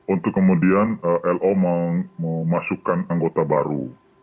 untuk kemudian lo mau memasukkan anggota baru